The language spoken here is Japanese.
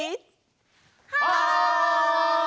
はい！